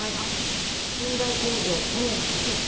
仙台工場留田辰彦！